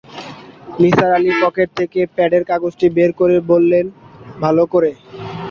Nisar Ali pocket থেকে প্যাডের কাগজটি বের করে বললেন, ভালো করে।